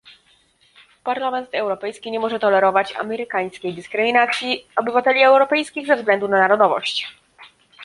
Parlament Europejski nie może tolerować amerykańskiej dyskryminacji obywateli europejskich ze względu na narodowość